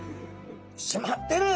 締まってる！